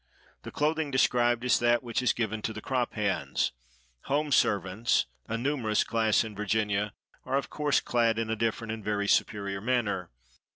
The clothing described is that which is given to the crop hands. Home servants, a numerous class in Virginia, are of course clad in a different and very superior manner.